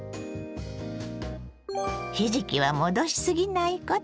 ひじきは戻しすぎないこと。